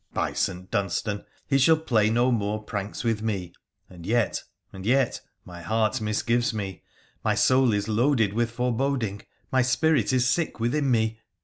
By St. Dunstan I he shall play no more pranks with me — and yet, and yet, my heart misgives me — my soul is loaded with foreboding, my spirit is sick within me.